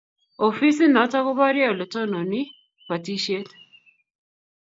Ofisit notok ko porie ole tononi batishet